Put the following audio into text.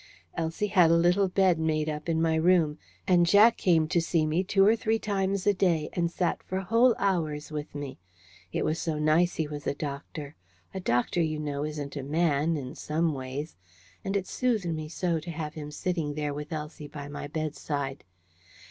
Elsie had a little bed made up in my room; and Jack came to see me two or three times a day, and sat for whole hours with me. It was so nice he was a doctor! A doctor, you know, isn't a man in some ways. And it soothed me so to have him sitting there with Elsie by my bedside.